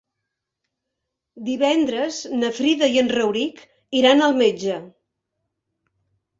Divendres na Frida i en Rauric iran al metge.